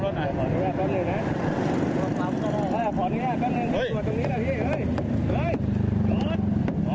ระวังมันไปไม่ได้หรอก